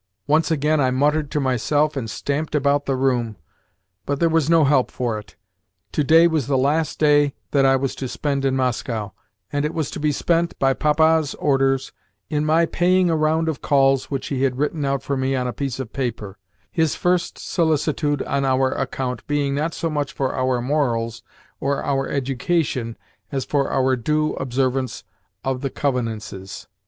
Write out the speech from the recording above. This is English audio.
Once again I muttered to myself and stamped about the room, but there was no help for it. To day was the last day that I was to spend in Moscow, and it was to be spent, by Papa's orders, in my paying a round of calls which he had written out for me on a piece of paper his first solicitude on our account being not so much for our morals or our education as for our due observance of the convenances.